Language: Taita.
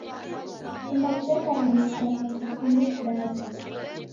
Chumba cheka na meza na vifumbi vidadu